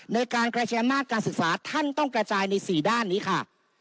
ในการกระจายอำนาจการศึกษาท่านต้องกระจายใน๔ด้านนี้ค่ะ